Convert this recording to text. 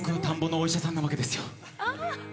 お医者さんなわけですよ。